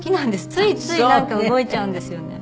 ついついなんか動いちゃうんですよね。